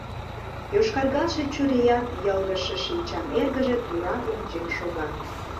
Йошкаргалше чуриян, йылгыжше шинчан эргыже тура ончен шога.